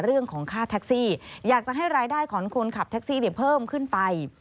เรื่องของค่าแท็กซี่อยากจะให้รายได้ของคนขับแท็กซี่เพิ่มขึ้นไป